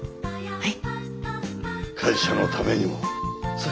はい！